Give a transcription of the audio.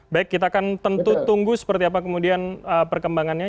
baik kita akan tentu tunggu seperti apa kemudian perkembangannya